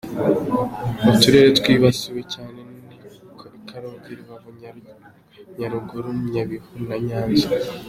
Uturere twibasiwe cyane ni Karongi, Rubavu, Nyaruguru, Nyabihu na Nyanza.